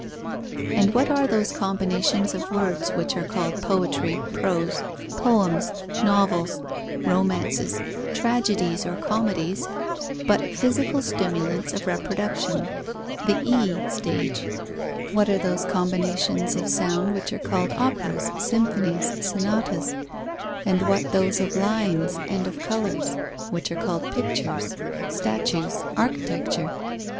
And what are those combinations of words which are called poetry, prose, poems, novels, romances, tragedies or comedies, but physical stimulants of reproduction (the e stage); what are those combinations of sound which are called operas, symphonies, sonatas; and what those of lines and of colours, which are called pictures, statues, architecture?